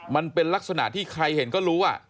มันเป็นลักษณะที่ใครเห็นก็รู้